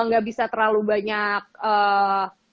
gak bisa terlalu banyak